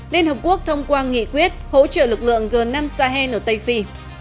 liên hợp quốc thông qua nghị quyết hỗ trợ lực lượng g năm sahel ở tây phi